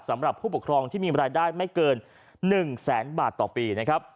สำหรับผู้ปกครองที่มีรายได้ไม่เกิน๑แสนบาทต่อปีนะครับ